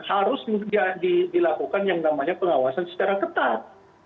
harus dilakukan yang namanya pengawasan secara ketat